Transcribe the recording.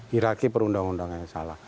hierarki perundang undangnya salah